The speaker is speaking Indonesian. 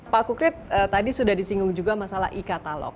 pak kukrip tadi sudah disinggung juga masalah e katalog